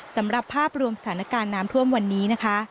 สำหรับภาพรวมสถานการณ์น้ำท่วมวันนี้นะคะ